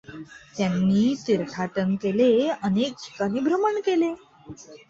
त्यांनी तीर्थाटन केले, अनेक ठिकाणी भ्रमण केले.